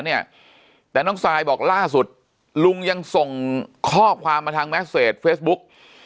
เนี่ยแต่น้องซายบอกล่าสุดลุงยังส่งข้อความมาทางแสเฟซบุ๊ก